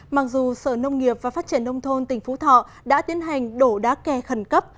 mặc dù sở nông nghiệp và phát triển nông thôn tỉnh phú thọ đã tiến hành đổ đá kè khẩn cấp